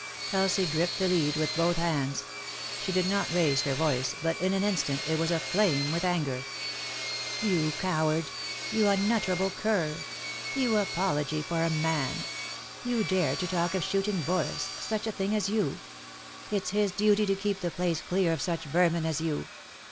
Elsie gripped the lead with both hands. She did not raise her voice, but in an instant it was aflame with anger. " You coward 1 You unutterable cur I You apology for a man 1 You dare to talk of shooting Boris, such a thing as you 1 It's his duty to keep the place clear of such vermin as you.